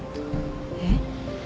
えっ？